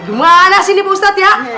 gimana sih ini pak ustadz ya